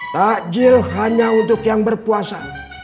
takjil hanya untuk yang berpuasa